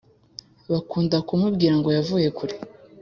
Bakunda kumubwira ngo yavuye kure